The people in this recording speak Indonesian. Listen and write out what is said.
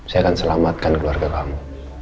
saya akan selamatkan keluarga kamu